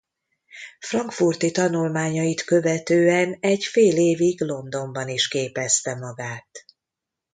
Frankfurti tanulmányait követően egy fél évig Londonban is képezte magát.